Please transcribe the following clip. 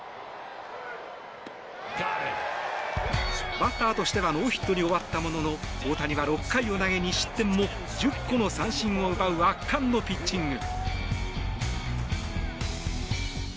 バッターとしてはノーヒットに終わったものの大谷は６回を投げ２失点も１０個の三振を奪う圧巻のピッチング。